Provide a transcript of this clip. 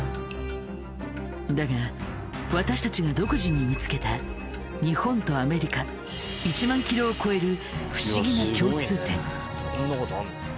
だが私たちが独自に見つけた日本とアメリカ１万ｋｍを超えるこんなことあんだ。